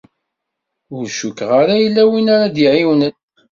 Ur cukkeɣ ara yella win ara d-iɛiwnen.